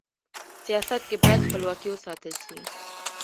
سیاست کي بايد خپلواکي و ساتل سي.